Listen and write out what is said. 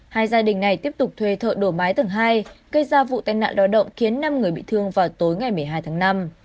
hai gia đình này tiếp tục thuê thợ đổ mái tầng hai gây ra vụ tai nạn lao động khiến năm người bị thương vào tối ngày một mươi hai tháng năm